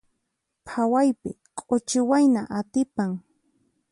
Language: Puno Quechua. Phawaypi k'uchi wayna atipan.